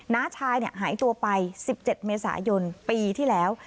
น้าชายหายตัวไป๑๗เมษายนปีที่แล้ว